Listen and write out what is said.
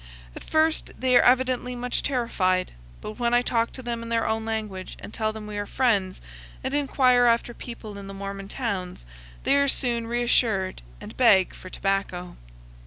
At first they are evidently much terrified; but when I talk to them in their own language and tell them we are friends, and inquire after people in the Mormon towns, they are soon reassured and beg for tobacco.